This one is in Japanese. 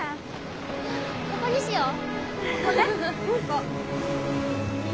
ここにしよう。